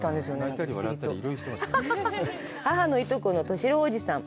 母のいとこの利郎おじさん。